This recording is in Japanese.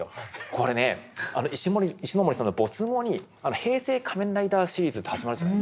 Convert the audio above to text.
これね石森さんの没後に平成仮面ライダーシリーズって始まるじゃないですか。